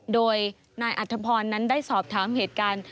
โดยนายอัธพรนั้นได้สอบถามเหตุการณ์